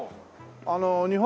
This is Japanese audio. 日本